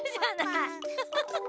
フフフフ。